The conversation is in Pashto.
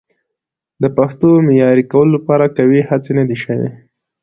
د پښتو د معیاري کولو لپاره قوي هڅې نه دي شوي.